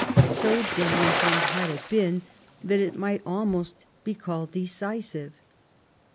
So damaging had it been that it might almost be called decisive.